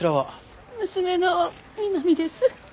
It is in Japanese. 娘の美波です。